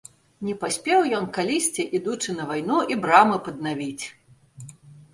Не паспеў ён калісьці, ідучы на вайну, і брамы паднавіць.